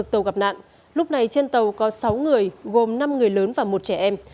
tàu gặp nạn lúc này trên tàu có sáu người gồm năm người lớn và một trẻ em